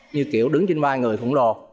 như kiểu đứng trên vai người khủng đồ